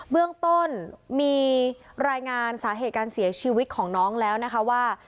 เบื้องต้นมีรายงานสาเหตุการเสียชีวิตของน้องแล้วนะคะว่า